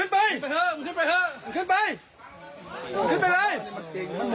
เฮ้ยยอมยอมยอมยอม